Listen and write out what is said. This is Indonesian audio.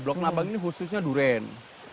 blok labang ini khususnya duren